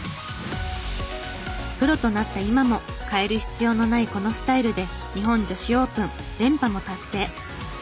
プロとなった今も変える必要のないこのスタイルで日本女子オープン連覇も達成。